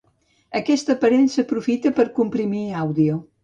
Aquest aparell s'aprofita per a comprimir àudio.